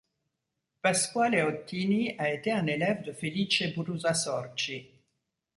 Pasquale Ottini a été un élève de Felice Brusasorci.